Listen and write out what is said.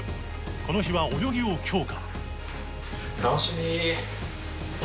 この日は泳ぎを強化